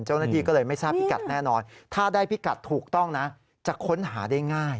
เจ้าหน้าที่ก็เลยไม่ทราบพิกัดแน่นอนถ้าได้พิกัดถูกต้องนะจะค้นหาได้ง่าย